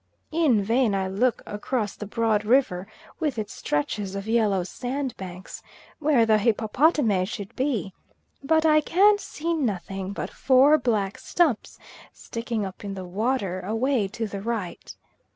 In vain I look across the broad river with its stretches of yellow sandbanks, where the "hippopotame" should be, but I can see nothing but four black stumps sticking up in the water away to the right.